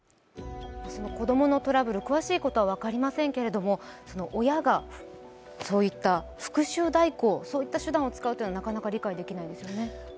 子供のトラブル、詳しいことは分かりませんけれども親がそういった復しゅう代行という手段を使うのはなかなか理解できないですよね。